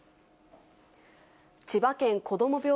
千葉県こども